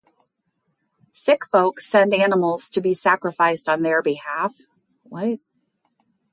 Sick folk send animals to be sacrificed on their behalf.